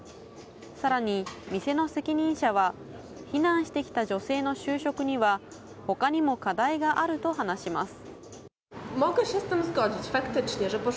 さらに、店の責任者は、避難してきた女性の就職には、ほかにも課題があると話します。